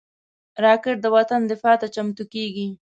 راکټ د وطن دفاع ته چمتو کېږي